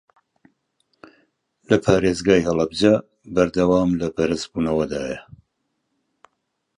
لە پارێزگای هەڵەبجە بەردەوام لە بەرزبوونەوەدایە